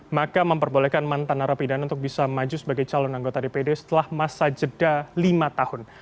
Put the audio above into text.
maka memperbolehkan mantan narapidana untuk bisa maju sebagai calon anggota dpd setelah masa jeda lima tahun